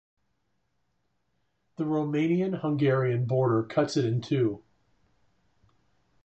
The Romanian-Hungarian border cuts it in two.